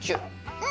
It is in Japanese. うん。